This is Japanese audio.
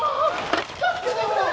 助けてくれ！